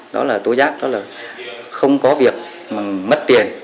đó là tố giác đó là không có việc mà mất tiền